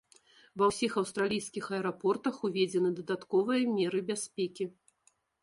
Ва ўсіх аўстралійскіх аэрапортах уведзены дадатковыя меры бяспекі.